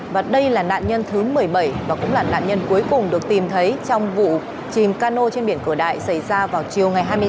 và đây là nạn nhân thứ một mươi bảy và cũng là nạn nhân cuối cùng được tìm thấy trong vụ chìm cano trên biển cửa đại xảy ra vào chiều ngày hai mươi tám